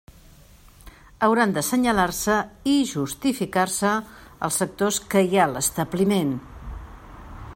Hauran d'assenyalar-se i justificar-se els sectors que hi ha a l'establiment.